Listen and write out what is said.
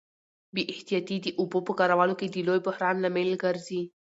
بې احتیاطي د اوبو په کارولو کي د لوی بحران لامل ګرځي.